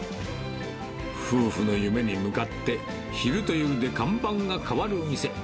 夫婦の夢に向かって、昼と夜で看板が変わる店。